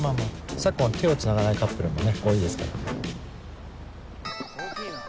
昨今は手をつながないカップルも多いですから。